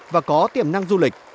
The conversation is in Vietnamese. và có tiềm năng du lịch